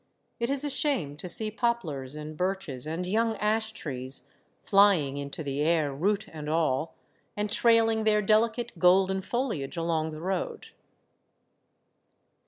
It is a shame to see poplars and birches and young ash trees flying into the air, root and all, and trailing their delicate golden foliage along the road.